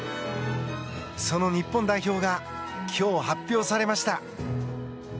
その日本代表が今日発表されました。